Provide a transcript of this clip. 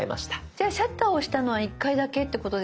じゃあシャッターを押したのは１回だけってことですか？